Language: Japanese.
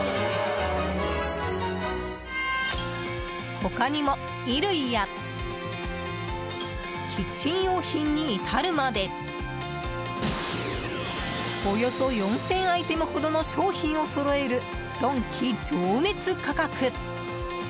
他にも、衣類やキッチン用品に至るまでおよそ４０００アイテムほどの商品をそろえるドンキ、情熱価格。